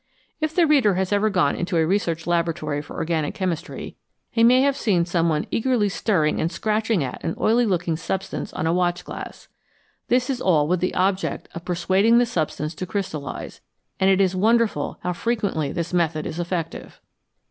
If the reader has ever gone into a research laboratory for organic chemistry, he may have seen some one eagerly stirring and scratching at an oily looking substance on a watch glass. This is all with the object of persuading the substance to crystallise, and it is wonderful how frequently this method is effective.